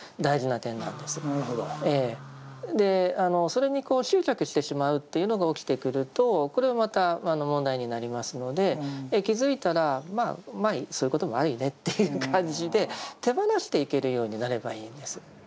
それに執着してしまうというのが起きてくるとこれはまた問題になりますので気づいたらまあそういうこともあるよねっていう感じで手放していけるようになればいいんです。